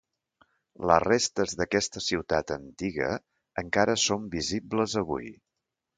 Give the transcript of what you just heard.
Les restes d'aquesta ciutat antiga encara són visibles avui.